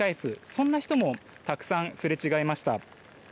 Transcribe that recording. そんな人もたくさんすれ違いました。